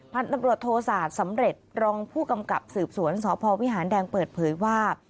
พันธุ์ตำรวจโทษาศสำเร็จรองผู้กำกับสืบสวนสพวิหารแดงเปิดเผยว่า